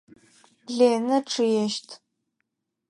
Ленэ чъыещт.